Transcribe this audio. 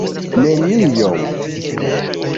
neniom